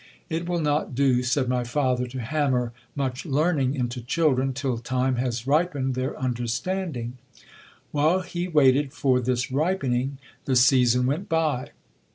It will not do, said my father, to hammer much learning into children till time has ripened their understanding. While he waited for this ripening, the season went by.